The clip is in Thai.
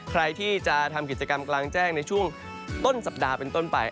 ใครที่จะทำกิจกรรมกลางแจ้งในช่วงต้นสัปดาห์เป็นต้นไป